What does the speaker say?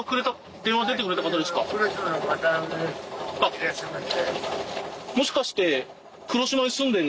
いらっしゃいませ。